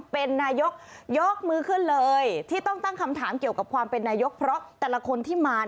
เพราะแต่ละคนที่มา